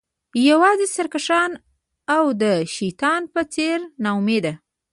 یوازې سرکښان او د شیطان په څیر ناامیده